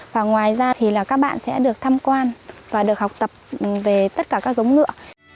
và ngoài ra thì là các bạn sẽ được tham quan và được học tập về tất cả các giống ngựa